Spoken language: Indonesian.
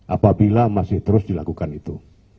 apabila masih terus dilakukan itu